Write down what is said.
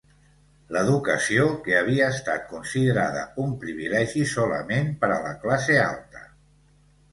L'educació que havia estat considerada un privilegi solament per a la classe alta.